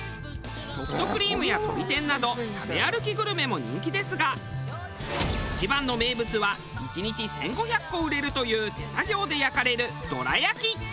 ソフトクリームや鶏天など食べ歩きグルメも人気ですが一番の名物は１日１５００個売れるという手作業で焼かれるどら焼き。